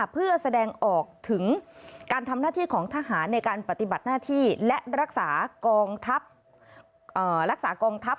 เพื่อแสดงออกถึงการทำหน้าที่ของทหารในการปฏิบัติหน้าที่และรักษากองทัพรักษากองทัพ